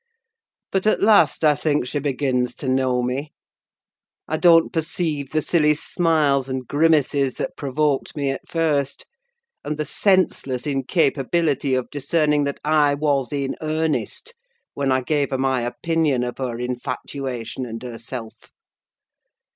But, at last, I think she begins to know me: I don't perceive the silly smiles and grimaces that provoked me at first; and the senseless incapability of discerning that I was in earnest when I gave her my opinion of her infatuation and herself.